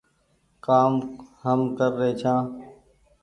ڪآم هم ڪر رهي ڇآن